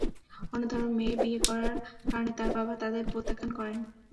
অন্য ধর্মের মেয়ে বিয়ে করার কারণে তাঁর বাবা তাঁদের প্রত্যাখ্যান করেন।